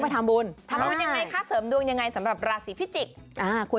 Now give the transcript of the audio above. ทำบุญทำบุญยังไงคะเสริมดวงยังไงสำหรับราศีพิจิกษ์อ่าคุณ